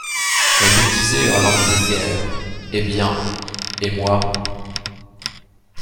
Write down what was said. Elle lui disait en langue vulgaire: « Eh bien, et moi?...